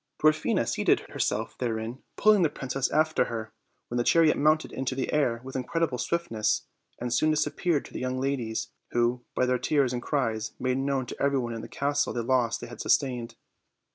Dwarfina seated herself therein, pulling the princess afte v her, when the chariot mounted into the air with incredible swiftness, and soon disappeared to the young ladies, who, by their tears and cries, made known to every one in the castle the loss they had sustained.